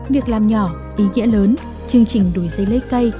việc làm nhỏ ý nghĩa lớn chương trình đổi giấy lấy cây